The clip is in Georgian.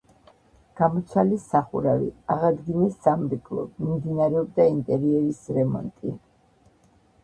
გამოცვალეს სახურავი, აღადგინეს სამრეკლო, მიმდინარეობდა ინტერიერის რემონტი.